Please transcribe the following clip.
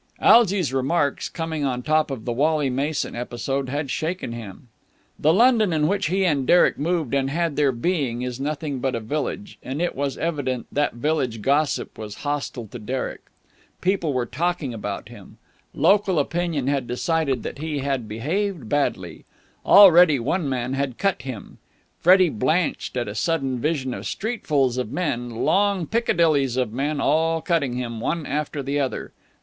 Algy's remarks, coming on top of the Wally Mason episode, had shaken him. The London in which he and Derek moved and had their being is nothing but a village, and it was evident that village gossip was hostile to Derek. People were talking about him. Local opinion had decided that he had behaved badly. Already one man had cut him. Freddie blenched at a sudden vision of streetfuls of men, long Piccadillys of men, all cutting him, one after the other.